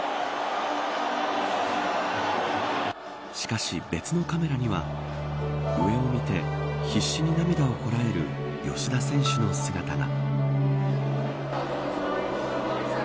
しかし別のカメラには上を見て、必死に涙をこらえる吉田選手の姿が。